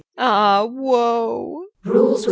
Ah woe! CH.